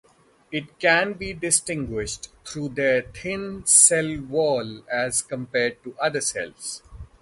It can be distinguished through their thin cell wall as compared to other cells.